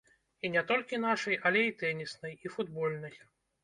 І не толькі нашай, а і тэніснай, і футбольнай.